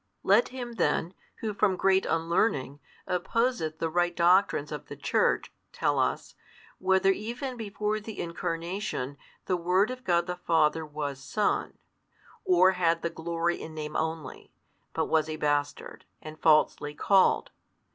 Let him then, who from great unlearning, opposeth the right doctrines of the Church, tell us, whether even before the Incarnation the the Word of God the Father was Son, or had the glory in name only, but was a bastard, and falsely called.